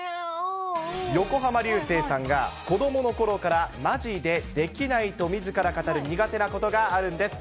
横浜流星さんが子どものころからまじでできないとみずから語る苦手なことがあるんです。